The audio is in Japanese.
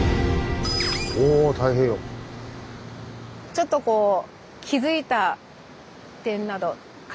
ちょっとこう気付いた点など。